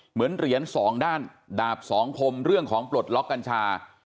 เหมือนเหรียญ๒ด้านดาบ๒คมเรื่องของปลดล็อคกัญชา